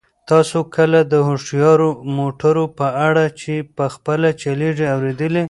تاسو کله د هوښیارو موټرو په اړه چې په خپله چلیږي اورېدلي؟